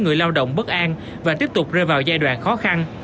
người lao động bất an và tiếp tục rơi vào giai đoạn khó khăn